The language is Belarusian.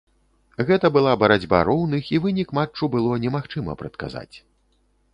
Гэта была барацьба роўных і вынік матчу было немагчыма прадказаць.